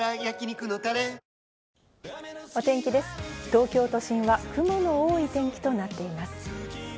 東京都心は雲の多い天気となっています。